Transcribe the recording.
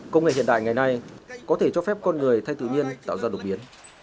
công nghệ hiện đại ngày nay có thể cho phép con người thay tự nhiên tạo ra đột biến